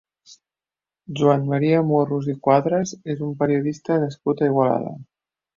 Joan Maria Morros i Cuadras és un periodista nascut a Igualada.